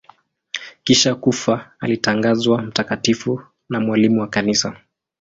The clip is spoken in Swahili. Kisha kufa alitangazwa mtakatifu na mwalimu wa Kanisa.